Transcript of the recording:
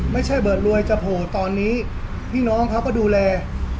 ไม่ใช่เบิร์ดรวยจะโผล่ตอนนี้พี่น้องเขาก็ดูแล